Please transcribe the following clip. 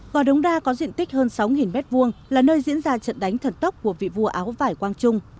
gò đống đa có diện tích hơn sáu m hai là nơi diễn ra trận đánh thần tốc của vị vua áo vải quang trung